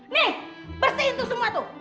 nih bersihin tuh semua tuh